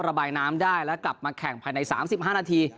ระบายน้ำได้และกลับมาแข่งภายใน๓๕นาที